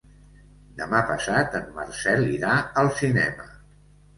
Demà passat en Marcel irà al cinema.